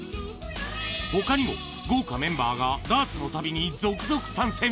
ほかにも、豪華メンバーがダーツの旅に続々参戦。